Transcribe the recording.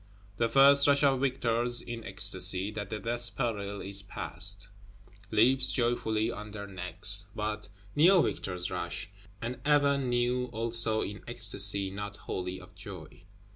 The first rush of victors, in ecstasy that the death peril is passed, "leaps joyfully on their necks"; but new victors rush, and ever new, also in ecstasy not wholly of joy.